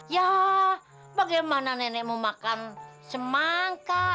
ya bagaimana nenek mau makan semangka